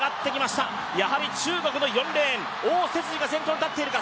やはり中国の４レーン、汪雪児が先頭に立っているか。